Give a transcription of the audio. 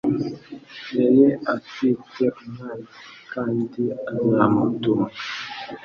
Yari atwite umwana wekandi azamutunga